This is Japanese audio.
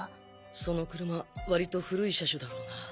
その車割と古い車種だろうな。